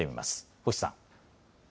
星さん。